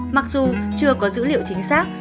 mặc dù chưa có dữ liệu chính xác